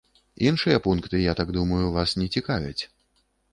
Іншыя пункты, я так думаю, вас не цікавяць.